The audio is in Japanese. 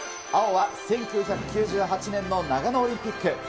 青は、１９９８年の長野オリンピック。